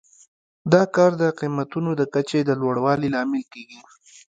دا کار د قیمتونو د کچې د لوړوالي لامل کیږي.